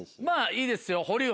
まぁいいですよ。